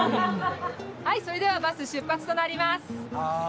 はいそれではバス出発となります。